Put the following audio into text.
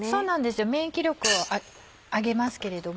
免疫力を上げますけれども。